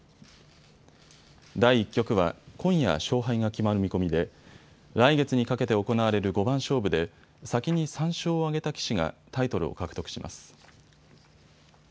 第１局は今夜、勝敗が決まる見込みで来月にかけて行われる五番勝負で先に３勝を挙げた棋士がタイトルを獲得します。